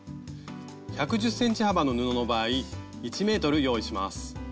１１０ｃｍ幅の布の場合１ｍ用意します。